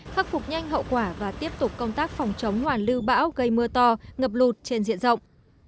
khắc phục nhanh hậu quả và tiếp tục công tác phòng chống hoàn lưu bão gây mưa to ngập lụt trên diện rộng